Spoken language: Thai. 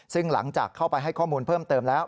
ซึ่งหลังจากเข้าไปให้ข้อมูลเพิ่มเติมแล้ว